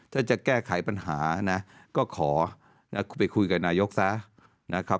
ถ้าจะแก้ไขปัญหานะก็ขอไปคุยกับนายกซะนะครับ